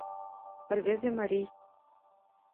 Рвезе марий.